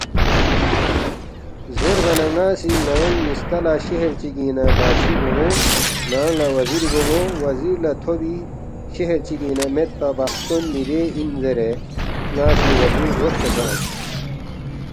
‘ زیربا نہ ن٘ا سی ن٘یانگ نِ٘یسکا لہ شہر چِگِنگ نہ بادشی بون٘و ن٘انگ لہ وزیری بون٘و وزیر لہ تھوبی شہر چِگِنگ نہ میدپا بخستون مِہ بے اِن زیرے ن٘ا سی وزیر لزوقسے تنگس